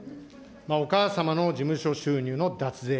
お母様の事務所収入の脱税。